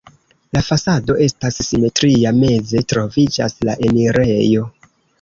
La fasado estas simetria, meze troviĝas la enirejo.